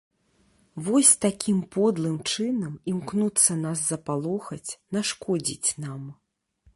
Вось такім подлым чынам імкнуцца нас запалохаць, нашкодзіць нам.